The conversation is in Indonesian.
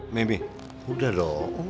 memi udah dong